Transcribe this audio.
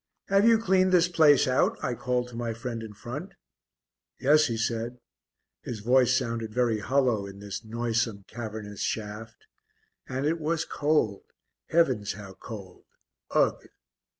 "Have you cleaned this place out?" I called to my friend in front. "Yes," he said. His voice sounded very hollow in this noisome, cavernous shaft. And it was cold heavens how cold! Ugh!